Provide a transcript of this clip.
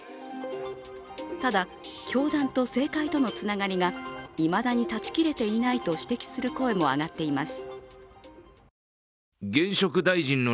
ただ、教団と政界とのつながりがいまだに断ち切れていないと指摘する声も上がっています。